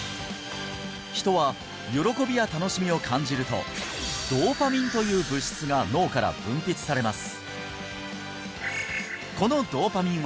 人は喜びや楽しみを感じるとドーパミンという物質が脳から分泌されます